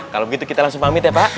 kalau begitu kita langsung pamit ya pak